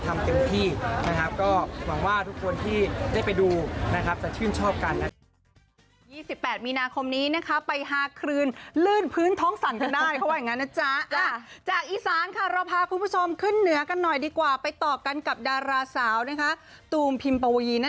ทำเต็มที่นะครับก็หวังว่าทุกคนที่ได้ไปดูนะครับ